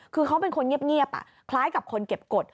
คือเขาเป็นคนเงียบคล้ายกับคนเก็บกฎ